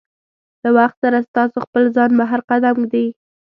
له وخت سره ستاسو خپل ځان بهر قدم ږدي.